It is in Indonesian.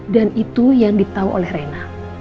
dan itu yang ditau oleh rena